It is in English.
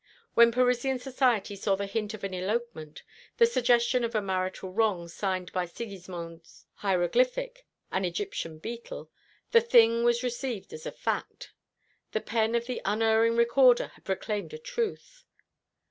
When Parisian society saw the hint of an elopement, the suggestion of a marital wrong signed by Sigismond's hieroglyphic an Egyptian beetle the thing was received as a fact. The pen of the unerring recorder had proclaimed a truth.